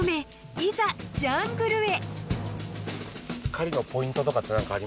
いざジャングルへ］